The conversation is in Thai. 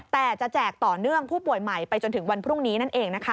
แต่จะแจกต่อเนื่องผู้ป่วยใหม่ไปจนถึงวันพรุ่งนี้นั่นเองนะคะ